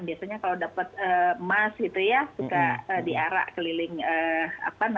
biasanya kalau dapat emas gitu ya suka diarak keliling kota gitu ya